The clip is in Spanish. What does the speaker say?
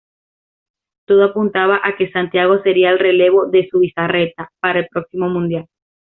Todo apuntaba a que Santiago sería el relevo de Zubizarreta para el próximo mundial.